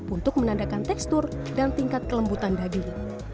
untuk menandakan tekstur dan tingkat kelembutan daging